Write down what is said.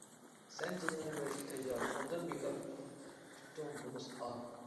سەن جېنىڭنى بېرىشكە تەييار، ئۇندىن بىكار كۈتتۈڭ نومۇس، ئار.